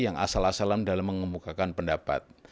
yang asal asalan dalam mengemukakan pendapat